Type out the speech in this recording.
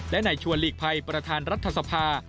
และนายชวนหลีกภัยประธานรัฐสภา